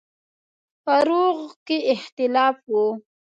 فروع کې اختلاف و.